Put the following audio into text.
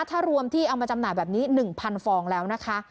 ถ้ารวมที่เอามาจำหน่ายแบบนี้๑๐๐ฟองแล้วนะคะ